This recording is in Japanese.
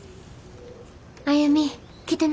歩来てな。